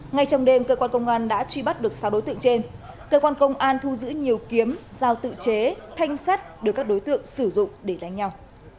ngay trong đêm cơ quan công an đã truy bắt được sáu đối tượng trên cơ quan công an thu giữ nhiều kiếm giao tự chế thanh sắt được các đối tượng sử dụng để đánh nhau